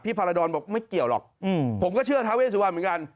พาราดรบอกไม่เกี่ยวหรอกผมก็เชื่อท้าเวสุวรรณเหมือนกัน